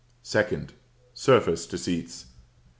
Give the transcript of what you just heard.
2d. Surface Deceits.